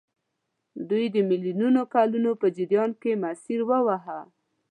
دوی د میلیونونو کلونو په جریان کې مسیر وواهه.